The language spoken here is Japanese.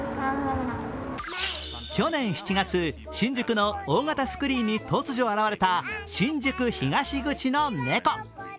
去年７月、新宿の大型スクリーンに突如現れた新宿東口の猫。